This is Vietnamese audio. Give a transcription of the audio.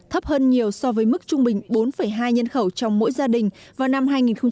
thấp hơn nhiều so với mức trung bình bốn hai nhân khẩu trong mỗi gia đình vào năm hai nghìn một mươi